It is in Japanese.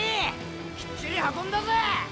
きっちり運んだぜ！